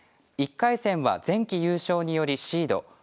１回戦は前期優勝によりシード。